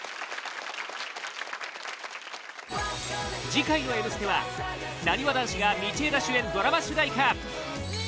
次回の「Ｍステ」はなにわ男子が道枝主演ドラマ主題歌